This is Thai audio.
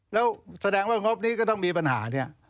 แล้วแสดงว่างบนี้ก็ต้องมีปัญหาเนี่ย